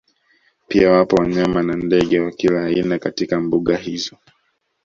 Pia wapo wanyama na ndege wa kila aina katika mbuga hizo